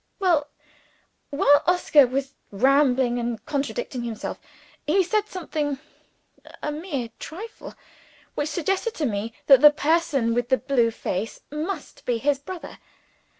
"Well while Oscar was rambling and contradicting himself he said something (a mere trifle) which suggested to me that the person with the blue face must be his brother.